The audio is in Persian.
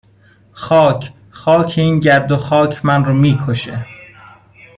خاک خاک این گرد و خاک من رو میکشه